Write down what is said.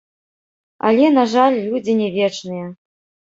Але, на жаль, людзі не вечныя.